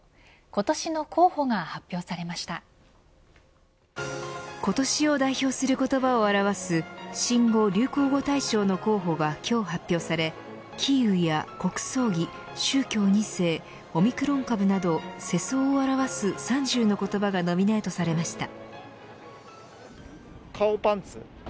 今年を代表する言葉を表す新語・流行語大賞の候補が今日発表されキーウや国葬儀、宗教２世オミクロン株など世相を表す３０の言葉がノミネートされました。